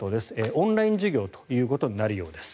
オンライン授業ということになるようです。